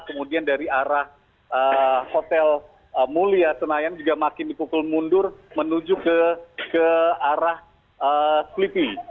kemudian dari arah hotel mulia senayan juga makin dipukul mundur menuju ke arah selipi